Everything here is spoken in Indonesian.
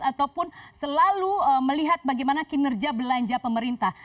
ataupun selalu melihat bagaimana kinerja belanja pemerintah